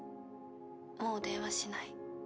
☎もう電話しない。